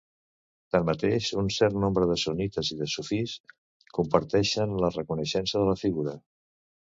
Tanmateix, un cert nombre de sunnites i de sufís comparteixen la reconeixença de la figura.